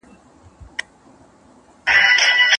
ایا تاسي د لاهور د تړون په اړه څه اوریدلي دي؟